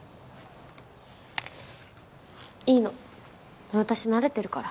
いいの私慣れてるから